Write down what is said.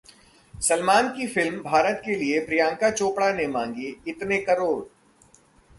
सलमान की फिल्म भारत के लिए प्रियंका चोपड़ा ने मांगे इतने करोड़!